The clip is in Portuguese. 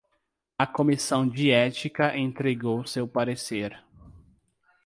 A comissão de ética entregou seu parecer